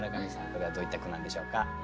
これはどういった句なんでしょうか？